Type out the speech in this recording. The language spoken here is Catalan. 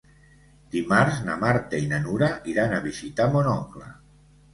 Dimarts na Marta i na Nura iran a visitar mon oncle.